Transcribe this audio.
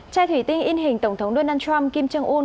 chai thủy tinh in hình tổng thống donald trump kim jong un